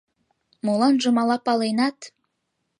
Моланжым ала паленат.